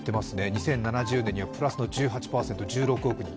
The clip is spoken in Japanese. ２０７０年にはプラス１８％、１６億人。